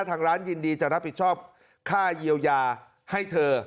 ทางร้านยินดีจะรับผิดชอบค่าเยียวยาให้เธอ